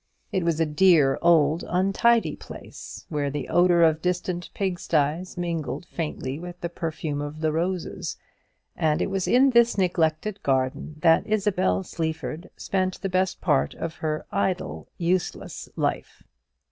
It was a dear old untidy place, where the odour of distant pigsties mingled faintly with the perfume of the roses; and it was in this neglected garden that Isabel Sleaford spent the best part of her idle, useless life.